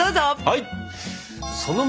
はい！